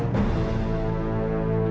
aku akan menangkanmu